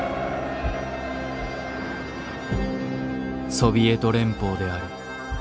ソビエト連邦である。